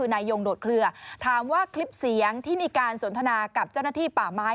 นายยงโดดเคลือถามว่าคลิปเสียงที่มีการสนทนากับเจ้าหน้าที่ป่าไม้